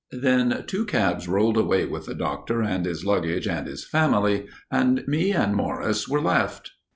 Then two cabs rolled away with the Doctor and his luggage and his family, and me and Morris were left.